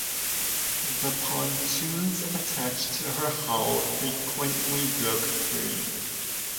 The pontoons attached to her hull frequently broke free.